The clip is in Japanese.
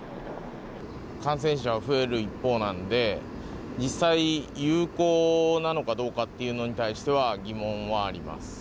感染者は増える一方なんで、実際、有効なのかどうかっていうのに対しては、疑問はあります。